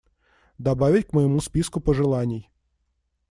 Добавить к моему списку пожеланий.